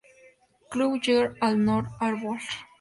Club; J. Arnold Arbor.